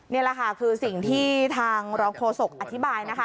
นี่แหละค่ะคือสิ่งที่ทางรโครโศกอธิบาย